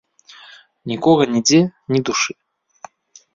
Нікога нідзе, ні душы.